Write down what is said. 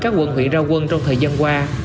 các quận huyện ra quân trong thời gian qua